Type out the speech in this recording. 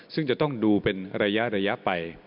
ซึ่งจะต้องดูเป็นระยะไป